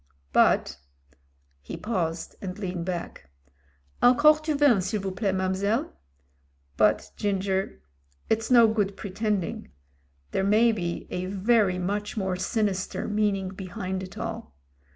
But " he paused and leaned back. "Encore du vin, s'il vous plait, mam'selle. But, Ginger, it's no good pretending, there may be a very much more sinister meaning behind it all.